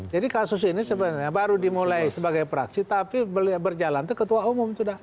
jadi kasus ini sebenarnya baru dimulai sebagai fraksi tapi berjalan itu ketua umum sudah